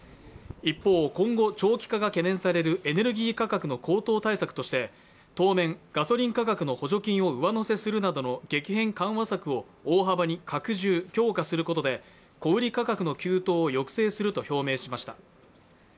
一方、今後長期化が懸念されるエネルギー価格の高騰対策として当面ガソリン価格の補助金を上乗せするなどの激変緩和策を大幅に拡充・強化することで小売価格の急騰を抑制すると表明しました。